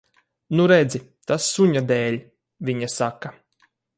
Nu, redzi. Tas suņa dēļ, viņa saka.